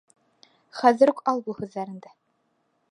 Хәҙер үк ал был һүҙҙәреңде!